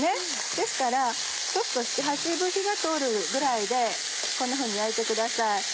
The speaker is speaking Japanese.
ですから七八分火が通るぐらいでこんなふうに焼いてください。